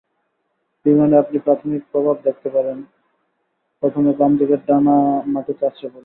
বিমানে আপনি প্রাথমিক প্রভাব দেখতে পাবেন, প্রথমে বাম দিকের ডানা মাটিতে আছড়ে পড়ে।